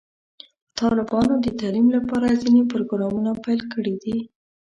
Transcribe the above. طالبانو د تعلیم لپاره ځینې پروګرامونه پیل کړي دي.